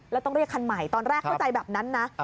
แล้วต้องเรียกคันใหม่ตอนแรกเข้าใจแบบนั้นนะ